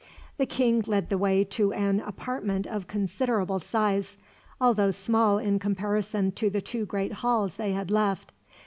The king led the way to an apartment of considerable size, although small in comparison to the two great halls they had left.